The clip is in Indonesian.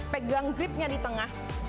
pegang gripnya di tengah